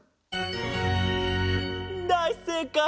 だいせいかい！